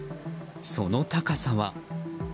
その高さは。